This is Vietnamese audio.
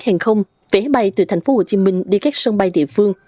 hàng không vé bay từ tp hcm đi các sân bay địa phương